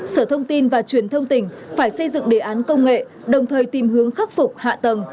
sở thông tin và truyền thông tỉnh phải xây dựng đề án công nghệ đồng thời tìm hướng khắc phục hạ tầng